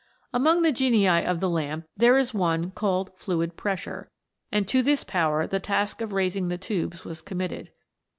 Among the genii of the lamp there is one called Fluid Pressure, and to this power the task of raising the tubes was committed.